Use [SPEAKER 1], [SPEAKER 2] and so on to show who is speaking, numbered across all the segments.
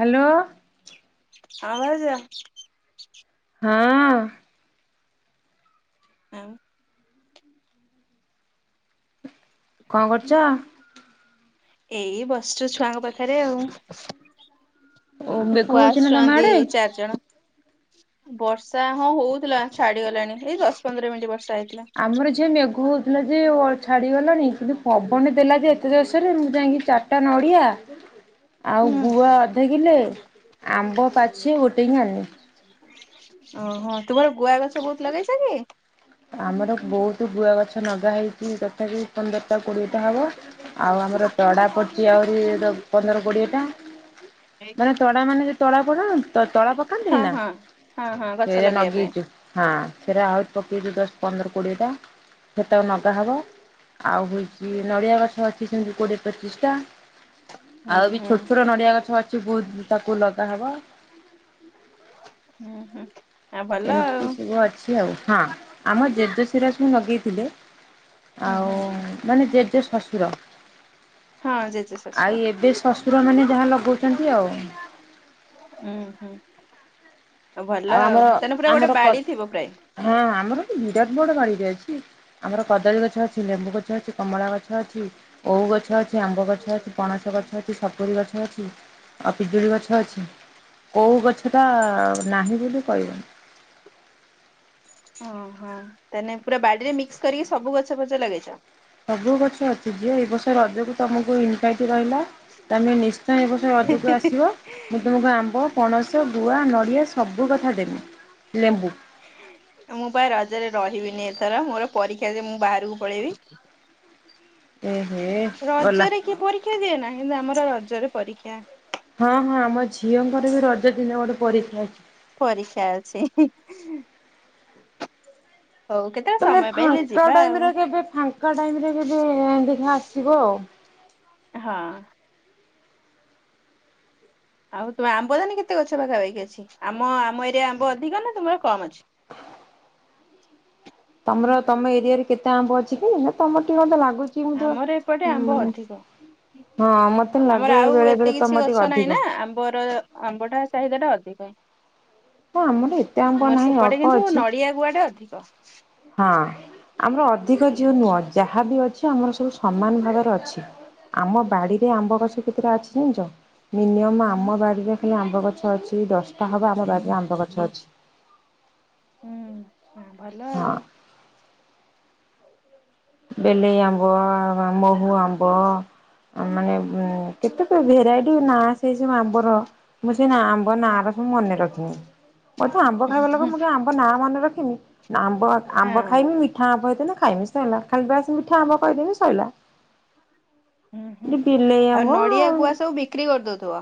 [SPEAKER 1] Hello.
[SPEAKER 2] ହଁ ଭାଉଜ।
[SPEAKER 1] ହଁ।
[SPEAKER 2] ଆଉ
[SPEAKER 1] କଣ କରୁଚ?
[SPEAKER 2] ଏଇ ବସିଛୁ ଛୁଆଙ୍କ ପାଖରେ ଆଉ।
[SPEAKER 1] ଓ ମେଘ
[SPEAKER 2] ଛୁଆ
[SPEAKER 1] ହଉଛି ନା ତମ
[SPEAKER 2] ଆସୁଛନ୍ତି
[SPEAKER 1] ଆଡେ?
[SPEAKER 2] ଚାରି ଜଣ। ବର୍ଷା ହଁ ହଉଥିଲା ଛାଡିଗଲାଣି ଏଇ ଦଶ ପନ୍ଦର ମିନିଟ ବର୍ଷା। ହେଇଥିଲା।
[SPEAKER 1] ଆମର ଝିଅ ମେଘୁ ହଉଥିଲା ଯେ ଛାଡିଗଲାଣି କିନ୍ତୁ ପବନ ଦେଲା ଯେ ଏତେ ଜୋଷରେ ମୁଁ ଯାଇକି ଚାରିଟା ନଡିଆ। ଆଉ ଗୁଆ ଅଧ କିଲ ଆମ୍ବ ପାଛ ଗୋଟେ କି ଆଣଲି।
[SPEAKER 2] ଓହୋ ତୁମର ଗୁଆ ଗଛ ବହୁତ ଲଗେଇଛ କି?
[SPEAKER 1] ଆମର ବହୁତ ଗୁଆ ଗଛ ଲଗା ହେଇଛି ତଥାପି ପନ୍ଦରଟା କୋଡିଏଟା ହବ। ଆଉ ଆମର ତଡା ପଡିଛି ଆହୁରି
[SPEAKER 2] ହଁ
[SPEAKER 1] ପନ୍ଦର କୋଡିଏ ଟା। ମାନେ ତଡା ମାନେ ଯ ତଡ ପଡନ୍ତି ତ ତଳା ପକାନ୍ତିନି ନା
[SPEAKER 2] ହଁ ହଁ ହଁ ଗଛ
[SPEAKER 1] ସେଟା
[SPEAKER 2] ଲଗେଇବା ପାଇଁ
[SPEAKER 1] ଲଗେଇଛୁ ହଁ ସେଟା ଆହୁରି ଦତି ଦ ଦଶ ପନ୍ଦର କୋଡ଼ିଏଟା ସେତେବେ ନଗା ହବ। ଆଉ ହଉଛି ନଡ଼ିଆ ଗଛ ଅଛି ସେମିତି କୋଡିଏ ପଚିଶ ଟା।
[SPEAKER 2] ହୁଁ
[SPEAKER 1] ଆଉ ବି
[SPEAKER 2] ହୁଁ
[SPEAKER 1] ଛୋଟ ଛୋଟ ନଡିଆ ଗଛ ଅଛି ବହୁ ତାକୁ ଲଗାହବ।
[SPEAKER 2] ହୁଁ ହୁଁ। ଆଉ ଭଲ ଆଉ
[SPEAKER 1] ଏମତି ସବୁ ଅଛି ଆଉ ହଁ ଆମ ଜେଜେ ସେରାସବୁ ଲଗେଇଥିଲେ।
[SPEAKER 2] ହୁଁ
[SPEAKER 1] ଆଉ
[SPEAKER 2] ହୁଁ
[SPEAKER 1] ମାନେ ଜେଜେ ଶଶୁର।
[SPEAKER 2] ହଁ ଜେଜେ ଶଶୁର।
[SPEAKER 1] ଛୁଆମାନେ ଯାହା ଲଗାଉଉଛନ୍ତି ଆଉ।
[SPEAKER 2] ହୁଁ ହୁଁ। ଭଲ
[SPEAKER 1] ଆଉ ଆମର
[SPEAKER 2] ତାହେଲେ ପୁରା ଗୋଟେ
[SPEAKER 1] ଆମର
[SPEAKER 2] ବାଡି ଥିବ ପ୍ରାୟ
[SPEAKER 1] ହଁ ଆମର ବିରାଟ ବଡ ବାରିଟେ ଅଛି। ଆମର କଦଳୀ ଗଛ ଅଛି ଲେମ୍ବୁ ଗଛ ଅଛି କମଳା ଗଛ ଅଛି ଓଉ ଗଛ ଅଛି ଆମ୍ବ ଗଛ ଅଛି ପଣସ ଗ ଗଛ ଅଛି ସପରିୀ ଗଛ ଅଛି ଆଉ ପିଜୁଳି ଗଛ ଅଛି କେଉ ଗଛଟା ନାହିଁ ବୋଲି କହିବନି।
[SPEAKER 2] ଓହୋ ତାେଲେ ପୁରା ବାଡିରେ ମିକ୍ସ କରିକି ସବୁ ଗଛ ଫଛ ଲଗେଇଛ।
[SPEAKER 1] ସବୁ ଗଛ ଝିଅ ଏ ବର୍ଷ ରଜକୁ ତମକୁ ଇନ୍ଭାଇଟ ରହିଲା ତମେ ନିସ୍ ୟ ଏଁ ବର୍ଷ ରଜୁକୁ ଆସିବ ମୁଁ ତମକୁ ଆମ୍ବ ପଣସ ଗୁଆ ନଡ଼ିଆ ସବୁ କଥା ଦେମି ଲେମ୍ବୁ।
[SPEAKER 2] ହୁଁ। ଏଁ ମୁଁ ପା ରଜରେ ରହିବିନି ଏଥର ମୋର ପରୀକ୍ଷା ଯେ ମୁଁ ବାହାରକୁ ପଳେଇବି।
[SPEAKER 1] ଏ ହେ ଗଲା।
[SPEAKER 2] ରଜରେ କିଏ ପରୀକ୍ଷା ଦିଏ ନା କିନ୍ତୁ ଆମର ରଜରେ ପରୀକ୍ଷା।
[SPEAKER 1] ହଁ ହଁ ଆମ ଝିଅଙ୍କର ବି ରଜ ଦିନେ ଗୋଟେ ପରୀକ୍ଷା ଅଛି।
[SPEAKER 2] ପରୀକ୍ଷା ଅଛି। ହଉ କେତେବେଳେ
[SPEAKER 1] ତମେ
[SPEAKER 2] ସମୟ ପାଇଲେ
[SPEAKER 1] ଫାଙ୍କା
[SPEAKER 2] ଯିବା
[SPEAKER 1] ଟାଇମ୍
[SPEAKER 2] ଆଉ।
[SPEAKER 1] ରେ କେବେ ଫାଙ୍କା ଟାଇମ୍ ରେ କେବେ ଦେଖିଆ ଆସିବ ଆଉ।
[SPEAKER 2] ହଁ। ଆଉ ତୁମେ ଆମ୍ବ ତାହାନେ କେତେ ଗଛ ପାଖାପାଖି ଅଛି ଆମ ଆମ ଏରିଆ ଆମ୍ବ ଅଧିକ ନା ତୁମର କମ ଅଛି। [inaudible]
[SPEAKER 1] ତମର ତମ ଏରିଆରେ କେତେ ଆମ୍ବ ଅଛି କି ନା ତମର ଟିକେ ମତେ ଲାଗୁ
[SPEAKER 2] ଆମର ଏପଟେ ଆମ୍ବ ଅଧିକ
[SPEAKER 1] ହଁ ମତେ ଲାଗେ
[SPEAKER 2] ଆମର ଆଉ
[SPEAKER 1] ବେଳେ
[SPEAKER 2] ଏତେ
[SPEAKER 1] ବେଳେ
[SPEAKER 2] କିଛି
[SPEAKER 1] ତମର ଟିକେ
[SPEAKER 2] ଗଛ ନାଇଁ
[SPEAKER 1] ଅଧିକ।
[SPEAKER 2] ନା ଆମ୍ବର ଆମ୍ବଟା ଚାହିଦା ଟା ଅଧିକ
[SPEAKER 1] ହଁ ଆମର ଏତେ
[SPEAKER 2] ଆଉ
[SPEAKER 1] ଆମ୍ବ
[SPEAKER 2] ତୁମର
[SPEAKER 1] ନାହିଁ
[SPEAKER 2] ସେପଟେ
[SPEAKER 1] ଅଳ୍ପ
[SPEAKER 2] କିନ୍ତୁ
[SPEAKER 1] ଅଛି
[SPEAKER 2] ନଡିଆ ଗୁଆ ଟା ଅଧିକ।
[SPEAKER 1] ହଁ ଆମର ଅଧିକ ଝିଅ
[SPEAKER 2] ହୁଁ
[SPEAKER 1] ନୁଁଅ ଯାହାବି ଅଛି ଆମର ସବୁ ସମାନ ଭାବରେ ଅଛି ଆମ ବାଡିରେ ଆମ୍ବ
[SPEAKER 2] ହୁଁ
[SPEAKER 1] ଗଛ କେତେଟା ଅଛି ଜାଣିଚ? ମିନିୟମ୍ ଆମ
[SPEAKER 2] ହୁଁ
[SPEAKER 1] ବାଡ଼ିରେ ଖାଲି ଆମ୍ବ ଗ ଗଛ ଅଛି ଦଶଟା ହବ ଆମ ବାଡ଼ିରେ ଆମ୍ବ ଗଛ ଅଛି।
[SPEAKER 2] ହୁଁ ଆଁ ଭଲ
[SPEAKER 1] ହଁ
[SPEAKER 2] ଆଉ।
[SPEAKER 1] ବେଲେଇ ଆମ୍ବ ଅଁ ମୋହୁ ଆମ୍ବ ଅଁ ମାନେ ଉଁ କେତେ ତ ଭେରାଇଟି ନାଁ ସେଇ ସବୁ ଆମ୍ବର ମୁଁ ନାଁ ସେଇ ଆମ୍ବ ନାଁ ରା ମୁଁ ମନେ ରଖିନି। ମୁଁ ତ ଆମ୍ବ ଖାଇବା ଲୋକୋ ମୁଁ କାଇଁ ଆମ୍ବ ନାଁ ମନେ ରଖିମି ନା ଆମ୍ବ ଆମ୍ବ
[SPEAKER 2] ହଁ
[SPEAKER 1] ଖାଇମି ମିଠା ଆମ୍ବ ହେଇଥିନେ ଖାଇମି ସଇଲା ଖାଲି ପା ସେ ମିଠା ଆମ୍ବ କହିଦେମି ସଇଲା।
[SPEAKER 2] ହୁଁ ହୁଁ।
[SPEAKER 1] ଡି ବିଲେଇ
[SPEAKER 2] ଆଉ
[SPEAKER 1] ଆମ୍ବ।
[SPEAKER 2] ନଡିଆ ଗୁଆ ସବୁ ବିକ୍ରି କରିଦଉଥିବ।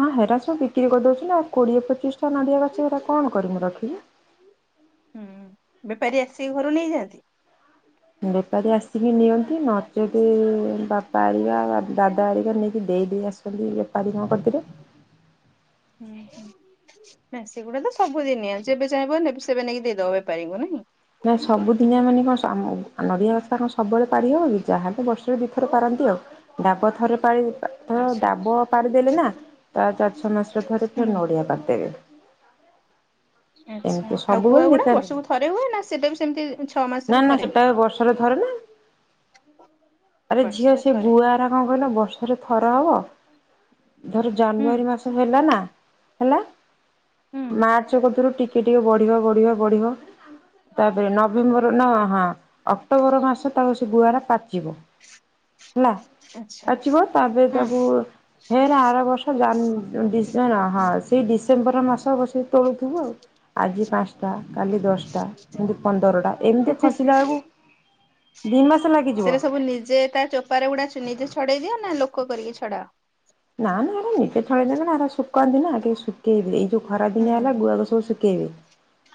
[SPEAKER 1] ହଁ ହେରା ସବୁ ବିକ୍ରି କରିଦୋଉଚି ନା ଆଉ କୋଡିଏ ପଚିଶ ଟା ନଡିଆ ଗଛ ଏରା କଣ କରିମି ରଖିକି?
[SPEAKER 2] ହୁଁ ବେପାରୀ ଆସିକି ଘରୁ ନେଇଯାଆନ୍ତି।
[SPEAKER 1] ବେପାରୀ ଆସିକି ନିଅନ୍ତି ନଚେତ୍ ବାପା ହାରିକା ଦାଦା ହାରିକା ନେଇକି ଦେ ଦେଇ ଦେଇ ଆସୁଛନ୍ତି ବେପାରୀ ଙ୍କ କତିରେ
[SPEAKER 2] ହୁଁ। ଉହୁଁ ନାଇଁ ସେଗୁଡା ତ ସବୁଦିନିଆ ଯେବେ ଚାହିଁବ ନେବେ ସେବେ ନେଇକି ଦେଇଦବ ବେପାରୀଙ୍କୁ ନାଇଁ।
[SPEAKER 1] ନା ସବୁଦିନିଆ ସବୁବୋଳେ ପାରି ହେବକି ଯାହା ହେଲେ ତ ବର୍ଷରେ ଦୁଇଥର ପାରନ୍ତି ଆଉ ଡାବ ଥର ପାରି
[SPEAKER 2] ଆଚ୍ଛା
[SPEAKER 1] ଡାବ ପାରିଦେଲେ ନା ତା ଚାରି ଛଅ ମାସରେ ଥରେ ଫେରେ ନଡ଼ିଆ ପାରିଦେବେ।
[SPEAKER 2] ଆଚ୍ଛା।
[SPEAKER 1] ଏମିତି
[SPEAKER 2] ଆଉ ଗୁଆ
[SPEAKER 1] ସବୁବୋଳେ
[SPEAKER 2] ଗୁଡା
[SPEAKER 1] ବିକାନ୍ତିନି।
[SPEAKER 2] ବର୍ଷକୁ ଥରେ ହୁଏ ନା ସେଟା ବି ସେମିତି ଛଅ ମାସରେ
[SPEAKER 1] ନା ନା
[SPEAKER 2] ଥରେ?
[SPEAKER 1] ସେଟା ବର୍ଷରେ ଥରେ ନା। ଆରେ ଝିଅ
[SPEAKER 2] ବର୍ଷରେ
[SPEAKER 1] ସେ
[SPEAKER 2] ଥରେ
[SPEAKER 1] ଗୁଆରା କଁ କହିଲ ବର୍ଷରେ ଥର ହବ ଧର
[SPEAKER 2] ହୁଁ
[SPEAKER 1] ଜାନୁଆରୀ ମାସ ହେଲା ନା ହେଲା
[SPEAKER 2] ହୁଁ
[SPEAKER 1] ମାର୍ଚ୍ଚ କତିରୁ ଟିକେ ଟିକେ ବଢିବ ବଢିବ ବଢିବ ତାପରେ ନଭେମ୍ବର ନ ହାଁ ଅକ୍ଟୋବର ମାସ ତାକୁ ସେ ଗୁଆରା ପାଚିବ ହେଲା
[SPEAKER 2] ଆଚ୍ଛା
[SPEAKER 1] ପାଚିବ ତାପେରେ
[SPEAKER 2] ହଁ।
[SPEAKER 1] ତାକୁ ଫେରେ ଆର ବର୍ଷ ଜାନୁ ଉଁ ଡ଼ିସେମ୍ବର ନା ହଁ ସେଇ ଡିସ୍ ସେମ୍ବର ମାସ ବସିକି ତୋଳୁଥୁବୁ ଆଉ ଆଜି ପାନ୍ସଟା କାଲି ଦଶଟା ଏମିତି ପନ୍ଦରଟା। ଏମିତି ଖସିଲା ଆଳୁକୁ।
[SPEAKER 2] ସେରା ସବୁ ନିଜେ ତା ଚୋପାରା ଗୁଡା ନିଜେ ଛଡେଇ ଦିଅ ନା ଲୋକୋ କରିକି ଛଡାଅ?
[SPEAKER 1] ନା ନା ଏରା ନିଜେ ଛଡେଇ ଦେବେ ନା ହେରା ସୁକାନ୍ତି ନା କେହି ଶୁଖେଇବେ ଏଇ ଯୋଉ ଖରା
[SPEAKER 2] ହୁଁ
[SPEAKER 1] ଦିନିଆ ହେଲା ଗୁଆକୁ ସବୁ ଶୁ କେଇବେ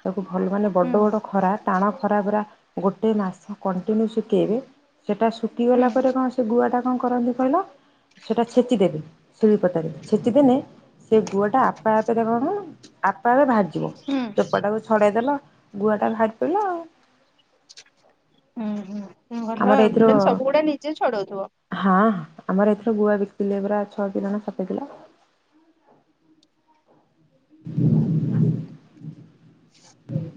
[SPEAKER 1] ତାକୁ ଭଲ ମାନେ
[SPEAKER 2] ହୁଁ
[SPEAKER 1] ବଡ଼ ବଡ଼ ଖରା ଟାଣ ଖରା ପୁରା ଗୋଟେ ମାସ କଣ୍ଟିନିଉ ଶୁକେଇବେ ସେଟା
[SPEAKER 2] ହୁଁ
[SPEAKER 1] ଶୁଖିଗଲା ପରେ କଁ ସେ ଗୁଆଟା କଣ କରନ୍ତି କହିଲ ସେଇଟା ଛେଚିଦେବେ ଶିଳିପତାରେ ଛେଚିଦେଲେ ସେ ଗୁଆଟା ଆପେ ଆପେ ଦେଖ ଆପେ ଆପେ ଭାଜି
[SPEAKER 2] ହୁଁ
[SPEAKER 1] ଚୋପାଟାକୁ ଛଡେଇଦଲ ଗୁଆ ଟା ଘାଟି ପିଲ ଆଉ
[SPEAKER 2] ହୁଁ ଭଲ
[SPEAKER 1] ଆମର
[SPEAKER 2] ଆଉ
[SPEAKER 1] ଏଥିରୁ
[SPEAKER 2] ତାହେଲେ ସବୁ ଗୁଡା ନିଜେ ଛଡଉଥିବ।
[SPEAKER 1] ହଁ ଆମର ଏଥର ଗୁଆ ବିକିଥିଲେ ପୁରା ଛଅଟି ଜଣ ସପେଇ ଥିଲା। [inaudible]
[SPEAKER 2] [inaudible]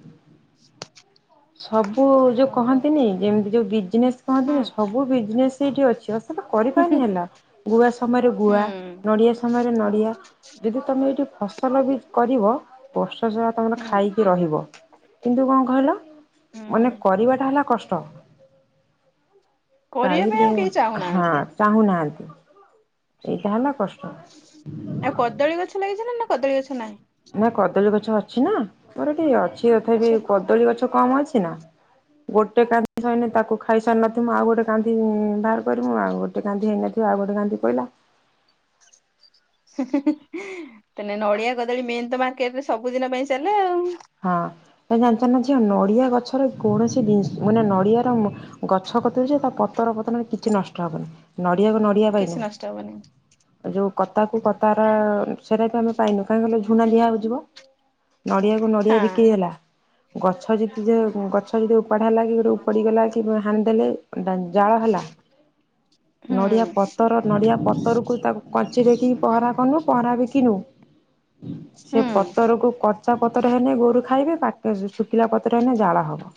[SPEAKER 1] ସବୁ ଯୋଉ
[SPEAKER 2] ଓହୋ
[SPEAKER 1] କହନ୍ତିନି ଯେମିତି ଯୋଉ ବିଜନେସ
[SPEAKER 2] ହଁ
[SPEAKER 1] କହନ୍ତିନି ସବୁ ବିଜନେସ ସେଇଠି ଅଛି। ଚାଷଟା କରିପାରୁନି ହେଲା ଗୁଆ ସମୟରେ
[SPEAKER 2] ହୁଁ
[SPEAKER 1] ଗୁଆ ନଡ଼ିଆ ସମୟରେ ନଡ଼ିଆ ଯଦି ତମେ ଏଇଠି ଫସଲ ବି କରିବ ପ ସ ତମର
[SPEAKER 2] ହୁଁ।
[SPEAKER 1] ଖାଇକି ରହିବ କିନ୍ତୁ କଣ କହିଲ? ମାନେ
[SPEAKER 2] ହୁଁ
[SPEAKER 1] କରିବାଟା ହେଲା କଷ୍ଟ
[SPEAKER 2] କରିବା ପାଇଁ
[SPEAKER 1] କାଳିଦେ
[SPEAKER 2] ଆଉ କେହି
[SPEAKER 1] ହଁ
[SPEAKER 2] ଚାହୁଁନାହାନ୍ତି।
[SPEAKER 1] ଚାହୁଁନାହାନ୍ତି। ଏଇଟା ହେଲା କଷ୍ଟ
[SPEAKER 2] ଆଉ କଦଳୀ ଗଛ ଲାଗିଛି ନା ନା କଦଳୀ ଗଛ ନାହିଁ।
[SPEAKER 1] ନା କଦଳୀ ଗଛ ଅଛି ନା ମୋର ଟିକ ଅଛି, ତଥାପି
[SPEAKER 2] ଅଛି।
[SPEAKER 1] କଦଳୀ ଗଛ କମ ଅଛି ନା ଗୋଟେ କାନ୍ଦି ସଇନେ ତାକୁ ଖାଇସାରି, ନଥିବୁ ଆଉ ଗୋଟେ କାନ୍ଦଧି ବାହାର କରିିବୁ ଆଉ ଗୋଟେ କାନ୍ନ୍ଦି ହେଇନଥିବ ଗୋଟେ ଗାନ୍ଧି ପହିଲ
[SPEAKER 2] [inaudible] ତେ ନଡ଼ିଆ କଦଳୀ ମେନ ତ ମାର୍କେଟରେ ସବୁଦିନ ପାଇଁ ଚାଲେ ଆଉ।
[SPEAKER 1] ହଁ ଜାଣିଛ ନା ଯ ନଡିଆ ଗଛର କୌଣସି ଜିନିଷ ମାନେ ନଡିଆର ଗଛ ପତର ପତରେ କିଛି ନଷ୍ଟ ହବନି। ପରଡ଼ିିବାକୁ ନଡ଼ିିବା ପାଇଁ
[SPEAKER 2] କିଛି ନଷ୍ଟ ହବନି
[SPEAKER 1] ନ ଯେଉଁ କତାକୁ କତାର ସେଇଟା ବି ଆମେ ପାଇନୁ କାହିଁ କହିଲଲେ, ଝୁଣା ଦିଆ ହେଯିବ ନଡିଆକୁ ନଡିଆ
[SPEAKER 2] ହଁ
[SPEAKER 1] ବିକ୍ରି ହେଲା ଗଛ ଯଦି ଗଛ ଯଦି ଉପାଡ ହେଲା କି ଗୋଟେ ଉପଡିଗଲା କି ହାଣି ଦେଲେ ଡାଞ ଜାଳ ହେଲା।
[SPEAKER 2] ହୁଁ
[SPEAKER 1] ନଡିଆ ପତର ନଡିଆ ପତରକୁ ତାକୁ କଚିରେକି ପହରା କନୁ ପରାବେ କି ନୁ ସେ
[SPEAKER 2] ହୁଁ
[SPEAKER 1] ପତରକୁ କଚା ପତର ରୁ ଖାଇବେ ପାେ ଶୁଖିଲା ପତ୍ର ହେ ଜାଳ ହବ।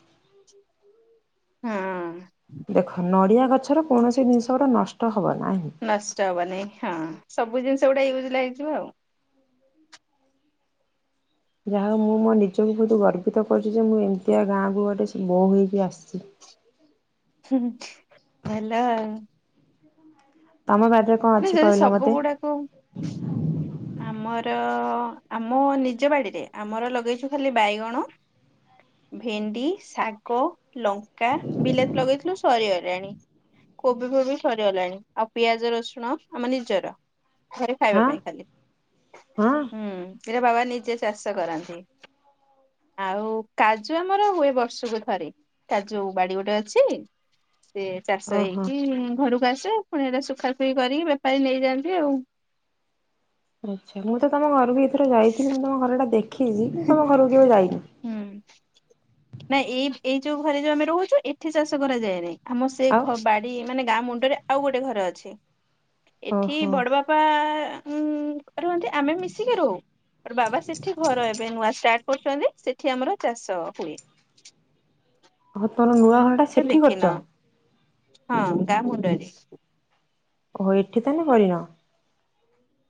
[SPEAKER 2] ହଁ।
[SPEAKER 1] ଦେଖ ନଡିଆ ଗଛର କୌଣସି ଜିନିଷ ଗୋଟେ ନଷ୍ଟ ହ
[SPEAKER 2] ନଷ୍ଟ ହବନିଁ ହଁ ସବୁ ଜିନିଷ ଗୁଡ଼ା ୟୁଜ୍ ଲାଗିଯିବ ଆଉ।
[SPEAKER 1] ଯାହା ମୁଁ ମୋ ନିଜକୁ ବହୁତ ଗର୍ବିତ କରୁଛି, ଯେ ମୁଁ ଏମିତିଆ ଗାଁକୁୁ ଗଟେ ବୋଉ ହେଇକି ଆସିଛି।
[SPEAKER 2] ହ ଭଲ।
[SPEAKER 1] ତମ ବାଡିରେ କଣ
[SPEAKER 2] ନ
[SPEAKER 1] ଅଛି
[SPEAKER 2] ଯଦି
[SPEAKER 1] କହିଲ
[SPEAKER 2] ସବୁ
[SPEAKER 1] ମତେ
[SPEAKER 2] ଗୁଡାକୁ ଆମର ଆମ ନିଜ ବାଡ଼ିରେ ଆମର ଲଗେଇଛୁ ଖାଲି ବାଇଗଣ ଭେଣ୍ଡି ଶାଗ ଲଙ୍କା ବିଲାତି ଲଗେଇଥିଲୁ ସରିଗଲାଣି। କୋବି ଫୋବି ସରିଗଲାଣି ଆଉ, ପିଆଜ ରସୁଣ ଆମ ନିଜର ଘରେ ଖାଇବା
[SPEAKER 1] ହାଁ
[SPEAKER 2] ପାଇଁ ଖାଲି
[SPEAKER 1] ହଁ।
[SPEAKER 2] ନିର ବାବା ନିଜେ ଚାଷ କରନ୍ତି। ଆଉ କାଜୁ ଆମର ହୁଏ ବର୍ଷକୁ ଥରେ କାଜୁ ବାଡି ଗୋଟେ ଅଛି। ସେ ଚାଷ
[SPEAKER 1] ଓହୋ।
[SPEAKER 2] ହେଇକି ଘରକୁ ଆସେ ପୁଣି ଏଇଟା ଶ ସୁଖାପୁଖି କରିକି ବେପାରୀ ନେଇଯାଆନ୍ତି ଆଉ।
[SPEAKER 1] ଆଚ୍ଛା ମୁଁ ତମ ଘର ବି ଏଥରେ ଯାଇଥିଲି ମୁଁ ତମ ଘର ଟା ଦେଖି ଦେଖିଛି ତମ ଘରକୁ କେବେ ଯାଇନି।
[SPEAKER 2] ନା ଏଇ ଏଇ ଯୋଉ ଘରେ ଯୋଉ ଆମେ ରହୁଛୁ, ଏଠି ଚାଷ କରାଯାଏ ନାାଇଁ ଆମ ସେ
[SPEAKER 1] ଆଉ
[SPEAKER 2] ବାଡି ମାନେ ଗାଁ ମୁଣ୍ଡରେ ଆଉ ଗୋଟେ ଘର ଅଛି ଏଠି
[SPEAKER 1] ଓହୋ
[SPEAKER 2] ବଡ ବାପା ଉଁ ରୁହନ୍ତି ଆମେ ମିଶିକି ରହୁ ବାବା ସେଠି ଘର ଏବେ ନୂଆଷ୍ଟାର୍ଟ କରୁଛନ୍ତି ସେଠି ଆମର ଚାଷ ହୁଏ।
[SPEAKER 1] ହଉ ତୋର ନୂଆଖର ଟା
[SPEAKER 2] ତ
[SPEAKER 1] ସେଠି
[SPEAKER 2] ଦେଖିନ
[SPEAKER 1] କରୁଛ?
[SPEAKER 2] ହଁ ଗାମଣ୍ଡରେ।
[SPEAKER 1] ଓହୋ ଏଠି ତାନେ କରିିନ?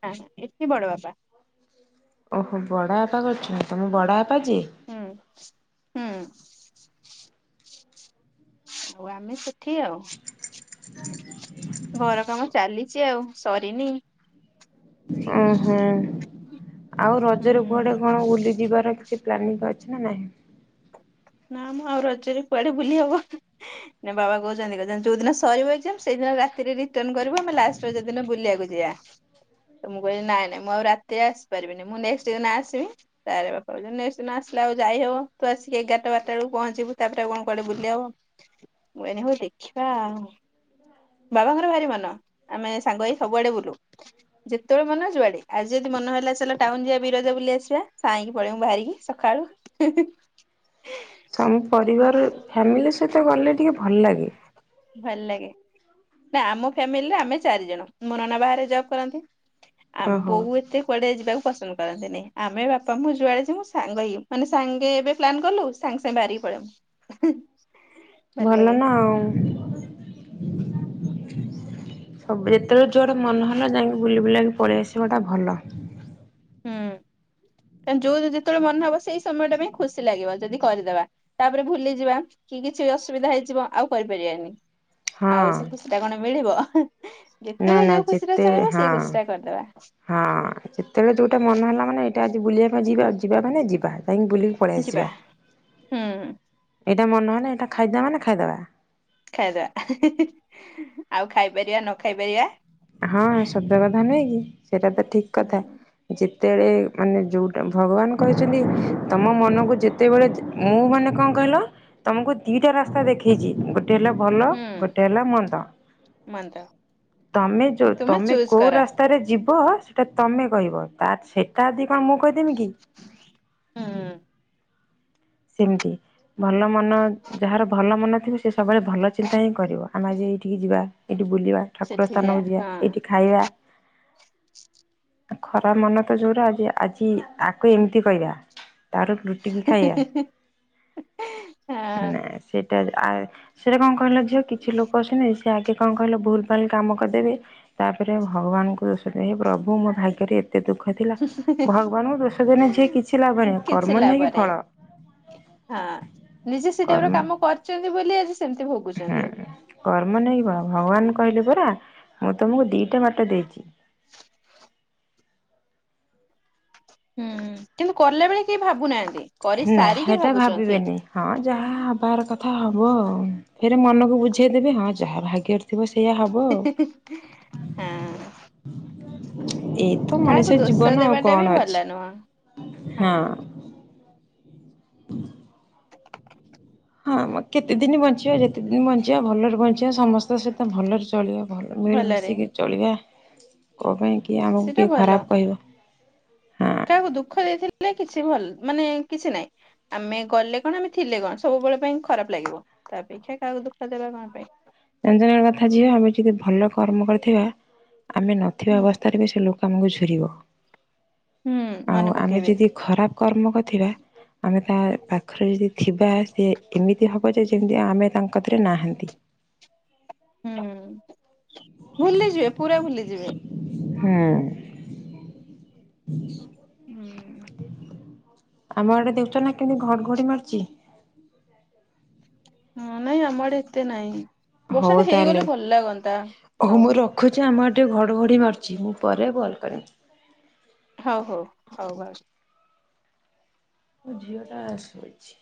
[SPEAKER 2] ନା ନା ଏଠି ବଡ଼ ବାପା
[SPEAKER 1] ଓହୋ ବଡ଼ ବାପା କରୁଛନ୍ତି ତମ ବଡ଼ ବାପା ଯିଏ?
[SPEAKER 2] ହୁଁ। ହୁଁ। ଆଉ ଆମେ ସେଠି ଆଉ। ଘର କାମ ଚାଲିଛି ଆଉ ସରିନି
[SPEAKER 1] ଓହୋ ଆଉ ରଜରେ କୁଆଡେ
[SPEAKER 2] ହୁଁ।
[SPEAKER 1] କଣ ବୁଲିଯିବାର କିଛି ପ୍ଲାନିଂ ଅଛି ନା ନାହିଁ?
[SPEAKER 2] ନା ମୁଁ ଆଉ ରଜରେ କୁଆଡେ ବୁଲିବାକୁ ନା ବାବା କହୁଛନ୍ତି କଛନ୍ତି ଯୋଉ ଦିନ ସରିବ ସେଇଦିନ ରାତିରେ ରିଟର୍ନଣ କରୁ ଆମେ ଲାଷ୍ଟ ରଜ ଦିନ ବୁଲିବାକୁ ଯିବାକୁ ଯିଆ। ତ ମୁଁ କହିଲି ନାଇଁନାଇଁ ମୁଁ ଆଉ ରାତିରେ ଆସି ପାରିବିନି ମୁଁ ନେଷ୍ଟ ଦିନ ଆସିବି ତାପରେ ବାପା କହୁଛନ୍ତି ନେଷ୍ଟେ ଦିନ ଆସି ଲେ ଆଉ ଯାଇହବ ତୁ ଆସିକି ଏଗାର ଟା ଟା ବାରଟା ବେଳକୁ ପହଞ୍ଚିବୁ ତାପରେ ଆଉ କଣ କୁଆଡେ ବୁଲି ହବ ମୁଁ କହିଲି ହୋଉ ଦେଖିବା ଆଉ। ବାବାଙ୍କର ଭାରି ମନ ଆମେ ସାଙ୍ଗ ହେଇ ସବୁଆଡେ ବୁଲୁ ଯେତେବେଳେ ମନ ଯୁଆଡେ ଆଜି ଯଦି ମନ ହେଲା ଚାଲ ଟାଉନ ଯିବା ବିରଜା ବୁଲି ଆସିବା ସାଇଁକି ପଳେଇବୁ ବାହାରିକି ସକାଳୁ ହୁଁ ହୁଁ।
[SPEAKER 1] ସ ପରିବାର ଫ୍ୟାମିଲି ସହିତ ଗଲେ ଟିକେ ଭଲ ଲାଗେ।
[SPEAKER 2] ଭଲ ଲାଗେ ନା ଆମ ଫ୍ୟାମିଲିରେ ଆମେ ଚାରି ଜଣ। ମୋ ନନା ବାହାରେ ଜବ୍ କରନ୍ତି। ଆମେ
[SPEAKER 1] ଓହୋ।
[SPEAKER 2] ବୋଉ ଏତେ କୁଆଡେ ଯିବାକୁ ପସନ୍ଦ କରନ୍ତି ନି। ଆମେ ବାପା ମୁଁ ଯୁଆଡେ ଯିବୁ ସାଙ୍ଗ ମାନେ ସାଙ୍ଗେ ଏବେ ପ୍ଲାନ୍ କଲୁ ସାଙ୍ଗେ ସାଙ୍ଗେ ବାହାରି କି ପଳେଇବୁ ହୁଁ ହୁଁ।
[SPEAKER 1] ଭଲ ନା ଆଉ। ସବୁ ଯେତେବେଳେ ଯୁଆଡେ ମନ ହେଲା ଯାଇକି ବୁଲି ବୁଲକି ପଳେଇ ଆସିବା ଟା ଭଲ।
[SPEAKER 2] ହୁଁ। କ ଯୋଉ ଯେତେବେଳେ ମନେ ହବ ସେଇ ସମୟ ଟା ପାଇଁ ଖୁସି ଲାଗିବ ଯଦି କରିଦବା ତାପରେ ଭୁଲିଯିବା କି କିଛି ଅସୁବିଧା ହେଇଯିବ ଆଉ କରିପାରିବାନି
[SPEAKER 1] ହଁ
[SPEAKER 2] ଆଉ ସେ ଖୁସି ଟା କଣ ମିଳିବ ଅହେଁ।
[SPEAKER 1] ନା
[SPEAKER 2] ଯେତେବେଳେ
[SPEAKER 1] ନା
[SPEAKER 2] ଯୋଉ ଖୁସି ଟା
[SPEAKER 1] ଯେତେ
[SPEAKER 2] ଚାହିଁବ
[SPEAKER 1] ହଁ।
[SPEAKER 2] ସେଇ ଖୁସି ଟା କରିଦବା।
[SPEAKER 1] ହଁ ସେତେବେଳେ ଯୋଉଟା ମନ ହେଲା ମାନେ ଏଇଟା ଆଜି ବୁଲିବା ପାଇଁ ଯିବା ଆ ଯିବା ମାନେ ଯିବା। କହିକି ବୁଲିକି ପଳେଇ
[SPEAKER 2] ଯିବା
[SPEAKER 1] ଆସିବା।
[SPEAKER 2] ହୁଁ
[SPEAKER 1] ଏଇଟା ମନହେଲେ ଏଇଟା ଖାଇଦବା ମାନେ ଖାଇଦବା।
[SPEAKER 2] ଖାଇଦବା ଆଉ ଖାଇପାରିବା ନ ଖାଇ ପାରିବା?
[SPEAKER 1] ହଁ ସତ କାଥା ନୁଁହେଁ କି? ସେଇଟା ତ ଠିକ କଥା
[SPEAKER 2] ହୁଁ
[SPEAKER 1] ଯି ଯେତେବେଳେ ମାନେ ଯେଉଁଟା ଭଗବାନ କରିଛନ୍ତି ତମ ମନକୁ ଯେତେବେଳେ ମୁଁ ମାନେ କଣ କ ହିଲ ତମକୁ ଦିଟା ରାସ୍ତା ଦେଖେଇଛି ଗୋ ଟେ ହେଲା ଭଲ
[SPEAKER 2] ହୁଁ
[SPEAKER 1] ଗୋଟେ ହେଲା ମନ୍ଦ।
[SPEAKER 2] ମନ୍ଦ
[SPEAKER 1] ତମେ ଯୋଉ
[SPEAKER 2] ତୁମେ
[SPEAKER 1] ତମେ
[SPEAKER 2] ଚୁଜ
[SPEAKER 1] କୋଉ
[SPEAKER 2] କର
[SPEAKER 1] ରାସ୍ତାରେ ଯିବ ସେଟା ତମେ କହିବ ତାର ସେଟାଦି କଣ ମୁଁ କହିଦେମି କି?
[SPEAKER 2] ହୁଁ
[SPEAKER 1] ସେମିତି ଭଲ ମନ ଯାହାର ଭଲ ମନ ସେ ସବୁବେଳେ ଭଲ ଚିନ୍ତା ହିଁ କରିବ ଆମେ ଆଜି ଏଠିକି ଯିବା। ଏ ଠି ବୁଲିବା ଠାକୁର
[SPEAKER 2] ସେଠି ଯା
[SPEAKER 1] ସ୍ଥାନକୁ ଯିବା
[SPEAKER 2] ହଁ
[SPEAKER 1] ଏଇଠି ଖାଇବା। ଖରା ମନ ତ ଯୋଉରା଼ ଆଜି ଆକୁ ଏମିତି କହିବା ତାରୁ ର ଲୁଟିିକି ଖାଇବା।
[SPEAKER 2] ହେଁ।
[SPEAKER 1] ସେ ଆ ସେଟା କଣ କହିଲ ଝିଅ କିଛି ଲୋକ ଅଛନ୍ତି ସେ ଆଗେ କଣ କହିଲେ ଭୁଲ ଭାଲ୍ କାମ କରିଦେବେ ତାପରେ ଭଗବାନଙ୍କୁ ଦୋଷ ଦେବେ ହେ ପ୍ରଭୁ ମୋ ଭାଗ୍ୟରେ ଏ ତେ ଦୁଃଖ ଥିଲା ଭଗବାନଙ୍କୁ ଦୋଷ ଦେଲେ ଝିଅ କିଛି ଲାଭ ନାହିଁ।
[SPEAKER 2] କିଛି
[SPEAKER 1] କର୍ମ
[SPEAKER 2] ଲାଭ
[SPEAKER 1] ନେଇ କି
[SPEAKER 2] ନାହିଁ
[SPEAKER 1] ଫଳ।
[SPEAKER 2] ହଁ ନିଜେ ସେଇଟାଇପ୍ ର
[SPEAKER 1] କର୍ମ
[SPEAKER 2] କାମ କରିଛନ୍ତି ବୋଲି ଆ
[SPEAKER 1] ହୁଁ କର୍ମ ନେଇବ ଭଗବାନ କହିଲେ ଯେ କୁଆ ମୁଁ ତମକୁ ଦିଟା ଵାଟ ଦେଇଛି
[SPEAKER 2] ହୁଁ କିନ୍ତୁ କଲା ବେଳେ କେହି ଭାବୁନାହାନ୍ତି।
[SPEAKER 1] ନା
[SPEAKER 2] କରିସାରିକି
[SPEAKER 1] ସେଟା
[SPEAKER 2] ଭାବୁଛନ୍ତି।
[SPEAKER 1] ଭାବିବେନି ହଁ ଯାହା ହବାର କଥା ହ ହୁ ଫେରେ ମନକୁ ବୁଝେଇଦେବେ ହଁ ଯାହା ଭାଗ୍ୟ ରେ
[SPEAKER 2] ହେ ହେ ହେ ହ
[SPEAKER 1] ଏଇ ତ ମଣିଷ
[SPEAKER 2] କାହାକୁ ଦୋଷ
[SPEAKER 1] ଜୀବନ ଆଉ
[SPEAKER 2] ଦେବାଟା
[SPEAKER 1] କଣ
[SPEAKER 2] ବି
[SPEAKER 1] ଅଛି
[SPEAKER 2] ଭଲ ନୁହଁ ହଁ।
[SPEAKER 1] ହଁ କେତେ ଦିନ ବଞ୍ଚିବା ଯେତେ ଦିନ ବଞ୍ଚିବା ଭଲରେ ବଞ୍ଚିବା ସମସ୍ତଙ୍କ ସହିତ ଭଲରେ ଚଳିବା ଭଲ
[SPEAKER 2] ଭଲରେ।
[SPEAKER 1] ମିଳିମିଶିକି ଚଳିବା କ ପାଇଁ କିଏ ଆମକୁ
[SPEAKER 2] ସେଟା
[SPEAKER 1] କିଏ
[SPEAKER 2] ଭଲ
[SPEAKER 1] ଖରାପ କହିବ। ହଁ
[SPEAKER 2] କାହାକୁ ଦୁଃଖ ଦେଇଥିଲେ ହେଲେ କିଛି ଭଲ ମାନେ କିଛି ନାହିଁ। ଆମେ ଗଲେ କଣ ଆମେ ଥିଲେ କଣ ସବୁବେଳେ ପାଇଁ ଖରାପ ଲାଗିବ। ତା ଅପେକ୍ଷା କାହାକୁ ଦୁଃଖ ଦେବା କଣ ପାଇଁ।
[SPEAKER 1] ଜାଣିଛନା ଗୋଟେ କଥା ଝିଅ ଆମେ ଯଦି ଭଲ କର୍ମ କରିଥିବା ଆମେ ନଥିବା
[SPEAKER 2] ହୁଁ
[SPEAKER 1] ଅବସ୍ଥାରେ ବି ସେ ଲୋକ ଆମକୁ ଝୁରିବ।
[SPEAKER 2] ହୁଁ ମନେ
[SPEAKER 1] ଆଉ ଆମେ
[SPEAKER 2] ପକେଇବେ
[SPEAKER 1] ଯଦି ଖରାପ କର୍ମ କରିଥିବା ଆମେ ତା ପାଖରେ ଯଦି ଥିବା ସେ ଏମିତି ହବ ଯେ ଯେମିତି ଆମେ ତାଙ୍କ କତିରେ ନାହାନ୍ତି।
[SPEAKER 2] ହୁଁ ଭୁଲିଯିବେ ପୁରା ଭୁଲିଯିବେ।
[SPEAKER 1] ହୁଁ।
[SPEAKER 2] ହୁଁ
[SPEAKER 1] ଆମ ଆଡ଼େ ଦେଖୁଛ ନା କେମିତି ଘଡଘଡି ମାରୁଛି?
[SPEAKER 2] ହଁ ନାଇଁ ଆମ ଆଡେ ଏତେ ନାଇଁ। ବର୍ଷା
[SPEAKER 1] ହଉ
[SPEAKER 2] ଟା
[SPEAKER 1] ତାହେଲେ
[SPEAKER 2] ହେଇଗଲେ ଭଲ ଲାଗନ୍ତା
[SPEAKER 1] ହଉ ମୁଁ ରଖୁଛି ଆମ ଆଡ଼େ ଗୋଟିଏ ଘଡ଼ଘଡ଼ି ମାରୁଛି ମୁଁ ପରେ କଲ୍ କରିବି।
[SPEAKER 2] ହଉ ହଉ ହଉ ଭଉ
[SPEAKER 1] ମୋ ଝିଅଟା ଆଶୁଛି।